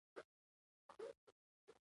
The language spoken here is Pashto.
څه اورم بېلتونه د روزګار روان